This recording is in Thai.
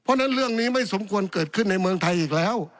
เพราะฉะนั้นเรื่องนี้ไม่สมควรเกิดขึ้นในเมืองไทยอีกแล้ว